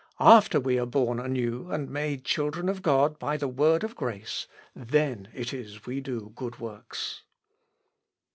After we are born anew, and made children of God by the word of grace, then it is we do good works."